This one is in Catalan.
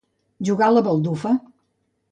Jugar a baldufa.